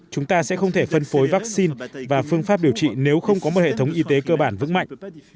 chúng ta sẽ không thể phân phối vaccine và phương pháp điều trị nếu không có một hệ thống y tế cơ bản vững mạnh